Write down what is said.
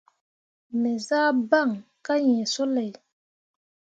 Me zah baŋ kah yĩĩ sulay.